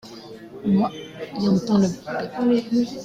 Moy, i’entends le pet.